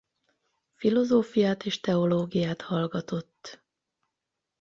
Filozófiát és teológiát hallgatott.